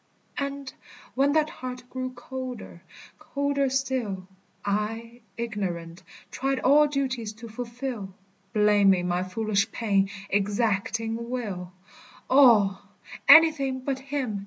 And when that heart grew colder, colder still, I, ignorant, tried all duties to fulfil, Blaming my foolish pain, exacting will, All, anything but him.